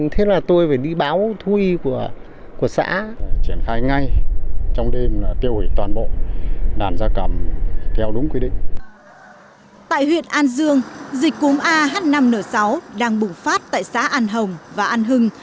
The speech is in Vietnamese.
tại huyện an dương dịch cúm ah năm n sáu đang bùng phát tại xã an hồng và an hưng